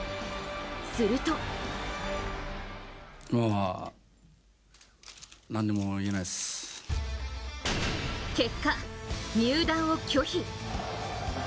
すると結果、入団を拒否。